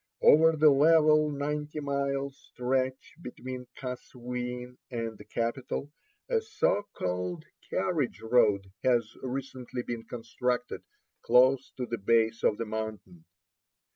Over the level ninety mile stretch between Kasveen and the capital a so called carriage road has recently been constructed close to the base of the mountain.